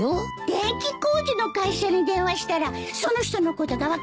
電気工事の会社に電話したらその人のことが分かるんじゃない？